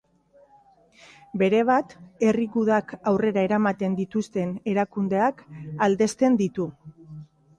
Berebat, herri gudak aurrera eramaten dituzten erakundeak aldezten ditu.